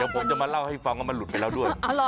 ผมจะมาเล่าให้ฟังว่ามันหลุดไปแล้วด้วย